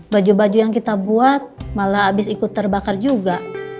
baju baju yang kita buat malah habis ikut terbakar juga